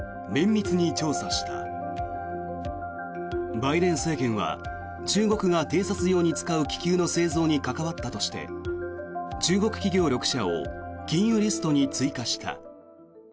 バイデン政権は中国が偵察用に使う気球の製造に関わったとして中国企業６社を禁輸リストに追加した。